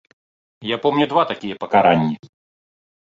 Я помню два такія пакаранні.